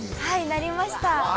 ◆なりました。